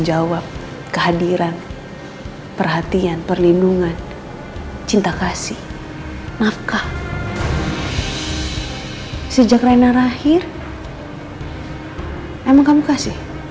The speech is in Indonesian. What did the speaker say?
jadi pantas mas